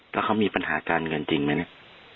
แล้วเขามีปัญหาการเงินจริงไหมเนี่ย